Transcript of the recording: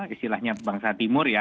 istilahnya bangsa timur ya